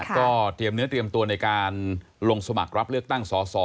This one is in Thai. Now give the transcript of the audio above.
ก็เตรียมเนื้อเตรียมตัวในการลงสมัครรับเลือกตั้งสอสอ